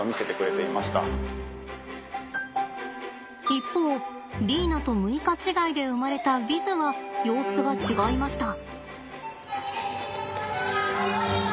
一方リーナと６日違いで生まれたヴィズは様子が違いました。